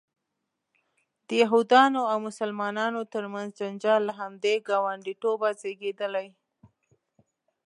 د یهودانو او مسلمانانو ترمنځ جنجال له همدې ګاونډیتوبه زیږېدلی.